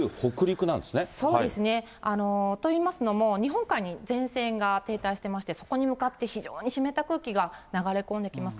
そうですね。といいますのも、日本海に前線が停滞してまして、そこに向かって非常に湿った空気が流れ込んできます。